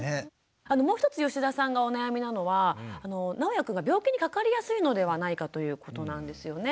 もう一つ吉田さんがお悩みなのはなおやくんが病気にかかりやすいのではないかということなんですよね。